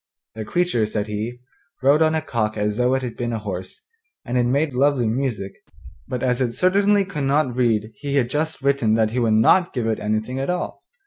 The creature, said he, rode on a cock as though it had been a horse, and it made lovely music, but as it certainly could not read he had just written that he would not give it anything at all.